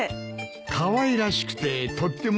かわいらしくてとってもいいぞ。